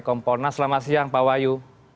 kompolnas selamat siang pak wahyu